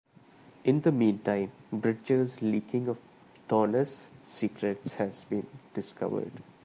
In the meantime, Bridger's leaking of Thorness' secrets has been discovered.